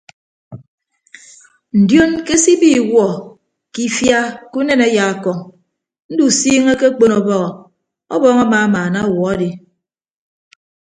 Ndion ke se ibi iwuọ ke ifia ke unen ayaakọñ ndusiiñe akekpon ọbọhọ ọbọọñ amamaana ọwuọ adi.